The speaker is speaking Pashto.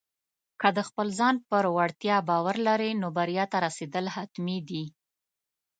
که د خپل ځان پر وړتیا باور لرې، نو بریا ته رسېدل حتمي دي.